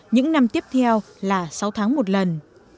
những năm tiếp theo là sáu tháng một lần